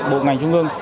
bộ ngành trung ương